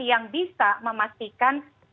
yang bisa memastikan